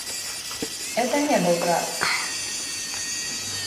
Это не был брат.